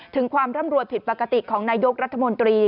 ถึงความร่ำรวยผิดปกติของนายกรัฐมนตรี